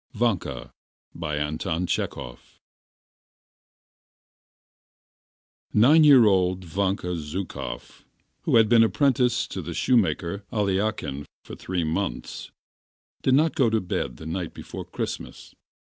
VANKA BY ANTON P. CHEKHOV Nine year old Vanka Zhukov, who had been apprentice to the shoemaker Aliakhin for three months, did not go to bed the night before Christmas.